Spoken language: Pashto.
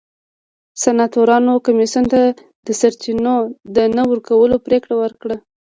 سناتورانو کمېسیون ته د سرچینو د نه ورکولو پرېکړه وکړه.